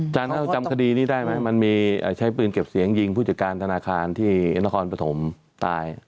เราจำคดีนี้ได้ไหมมันมีใช้ปืนเก็บเสียงยิงผู้จัดการธนาคารที่นครปฐมตาย